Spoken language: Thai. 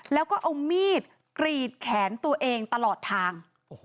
แล้วก็เอามีดกรีดแขนตัวเองตลอดทาง